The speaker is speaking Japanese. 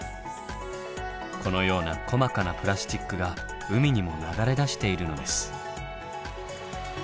このような細かなプラスチックが海にも流れ出しているのです。